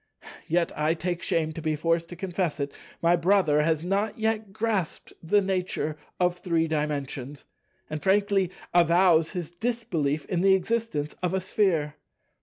Yet—I take shame to be forced to confess it—my brother has not yet grasped the nature of Three Dimensions, and frankly avows his disbelief in the existence of a Sphere.